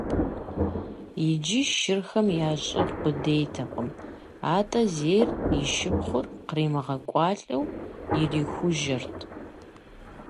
Иджы шырхэм ящӀыгъу къудейтэкъым, атӀэ зейр – и шыпхъур – къримыгъэкӀуалӀэу, ирихужьэрт.